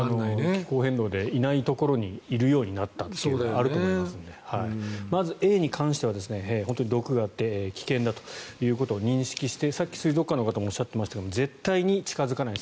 気候変動でいないところにいるようになったというのはあると思いますのでまずエイに関しては本当に毒があって危険だということを認識してさっき、水族館の方もおっしゃっていましたが絶対に近付かない